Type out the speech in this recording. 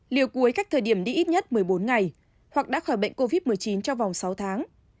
liều cuối cách thời điểm đi ít nhất một mươi bốn ngày hoặc đã khỏi bệnh covid một mươi chín trong vòng sáu tháng